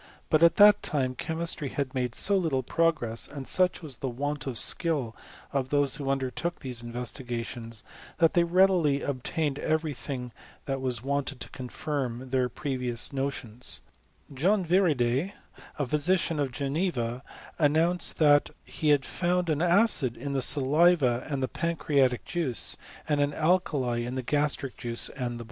But at that time chemistry had made so little progress, and sudl was the want of skill of those who undertook these la^ vestigations, that they readily obtained every thiog^ that was wanted to confirm their previous notionii^ j John Viridet, a physician of Geneva, announced that he had found an acid in the saliva and the pancreatiii^ juice, and an alkali in the gastric juice and the }xiBf • De Orta et Profreita Chcmxie.